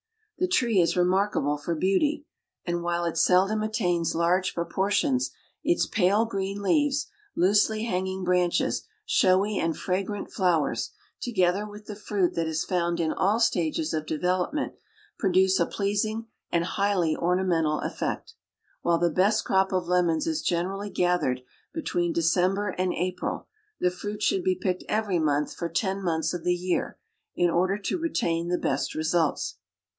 The tree is remarkable for beauty, and while it seldom attains large proportions, its pale green leaves, loosely hanging branches, showy and fragrant flowers, together with the fruit that is found in all stages of development, produce a pleasing and highly ornamental effect. While the best crop of Lemons is generally gathered between December and April, the fruit should be picked every month for ten months of the year, in order to retain the best results.